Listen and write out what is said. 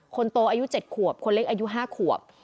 คนโตอายุเจ็ดขวบคนเล็กอายุห้าขวบ